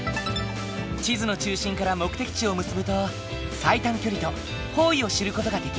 地図の中心から目的地を結ぶと最短距離と方位を知る事ができる。